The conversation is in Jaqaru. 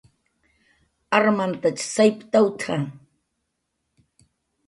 "Armantach sayptawt""a"